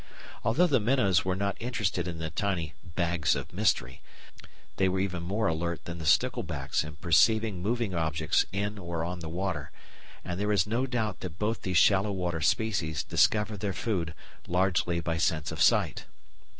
Although the minnows were not interested in the tiny "bags of mystery," they were even more alert than the sticklebacks in perceiving moving objects in or on the water, and there is no doubt that both these shallow water species discover their food largely by sense of sight.